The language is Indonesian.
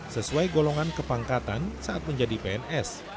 sesuai golongan kepangkatan saat menjadi pns